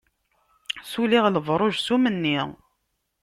Suliɣ lebruj s umenni.